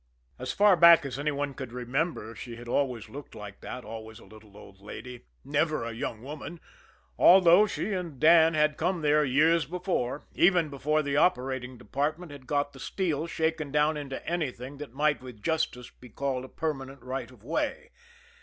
As far back as any one could remember she had always looked like that, always a little old lady never a young woman, although she and Dan had come there years before, even before the operating department had got the steel shaken down into anything that might with justice be called a permanent right of way.